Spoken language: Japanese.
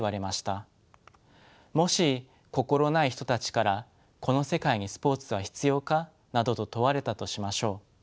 もし心ない人たちから「この世界にスポーツは必要か」などと問われたとしましょう。